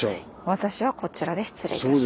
私はこちらで失礼いたします。